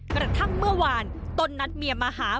กระทั่งเมื่อวานต้นนัดเมียมาหา